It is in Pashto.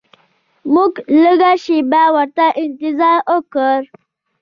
موږ لږه شیبه ورته انتظار وکړ.